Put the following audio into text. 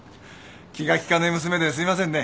気が利かない娘ですいませんね。